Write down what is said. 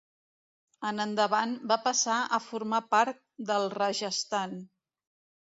En endavant va passar a formar part del Rajasthan.